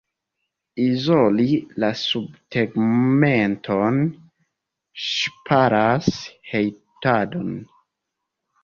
Izoli la subtegmenton ŝparas hejtadon.